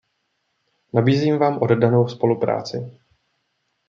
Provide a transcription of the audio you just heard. Nabízím vám oddanou spolupráci.